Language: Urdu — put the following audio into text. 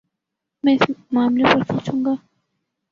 میں اس معاملے پر سوچوں گا